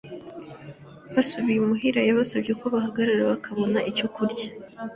Basubiye imuhira, yabasabye ko bahagarara bakabona icyo kurya.